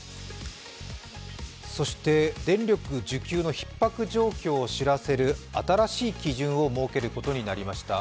電力需給のひっ迫状況を知らせる新しい基準を設けることになりました。